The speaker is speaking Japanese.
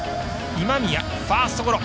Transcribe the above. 今宮、ファーストゴロ。